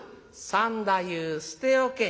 「三太夫捨て置け」。